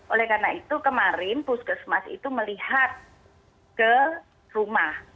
oleh karena itu kemarin puskesmas itu melihat ke rumah